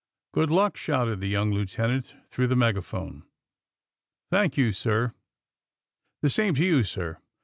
^^Good luck!'^ shouted the young lieutenant through the megaphone. ^^ Thank you, sir. The same to you, sir!'